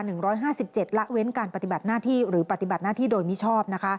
หละเว้นการปฏิบัติหน้าที่หรือปฏิบัติหน้าที่โดยมิชอบ